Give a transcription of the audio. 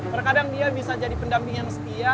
terkadang dia bisa jadi pendamping yang setia